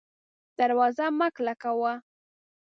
دروازه مه کلکه وه